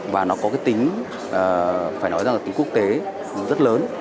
và nó có tính quốc tế rất lớn